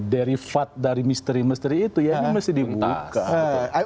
derivat dari misteri misteri itu ya ini mesti dibuka